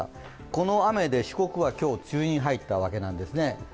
この雨で四国は今日梅雨に入ったわけなんですね。